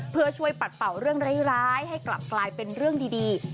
เพื่อช่วยปัดเป่าเรื่องร้ายให้กลับกลายเป็นเรื่องดี